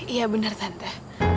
iya benar tante